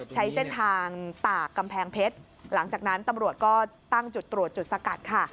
ใช้เส้นทางตากกำแพงเพชรหลังจากนั้นตำรวจก็ตั้งจุดตรวจจุดสกัดค่ะ